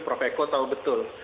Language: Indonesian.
prof eko tahu betul